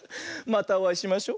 またおあいしましょ。